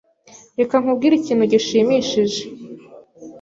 Reka nkubwire ikintu gishimishije.